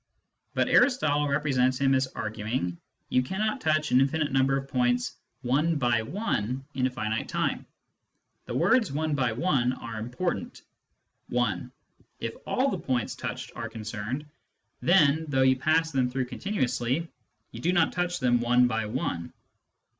But, Aristotle represents him as arguing, you cannot touch an infinite number of points one by one in a finite time. The words " one by one" are important, (i) If all the points touched are concerned, then, though you pass through them continu ously, you do not touch them " one by one."